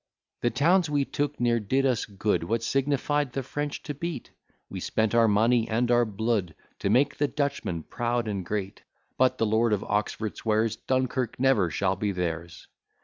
The towns we took ne'er did us good: What signified the French to beat? We spent our money and our blood, To make the Dutchmen proud and great: But the Lord of Oxford swears, Dunkirk never shall be theirs.